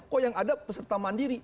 kok yang ada peserta mandiri